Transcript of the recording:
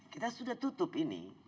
kita sudah tutup ini